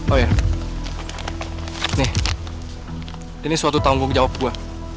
oh iya nih ini suatu tanggung jawab gue